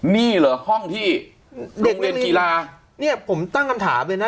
นี่เหรอห้องที่โรงเรียนกีฬาเนี่ยผมตั้งคำถามเลยนะ